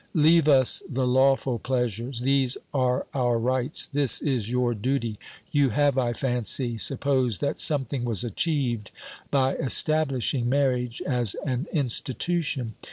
Leave us the lawful pleasures ; these are our rights, this is your duty. You have, I fancy, supposed that something was achieved by establishing marriage as an institution.